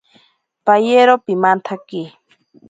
Payero pimantsaki.